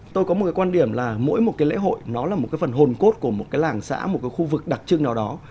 tôi có một quan điểm là mỗi một lễ hội nó là một phần hồn cốt của một làng xã một khu vực đặc trưng nào đó